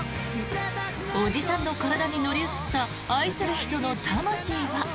おじさんの体に乗り移った愛する人の魂は。